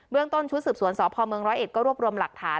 เบื้องต้นชุดสืบสวนสพร๑๐๑ก็รวบรวมหลักฐาน